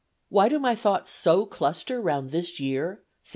Why do my thoughts so cluster round this year 1755?